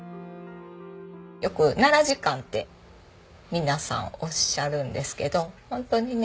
よく奈良時間って皆さんおっしゃるんですけど本当にね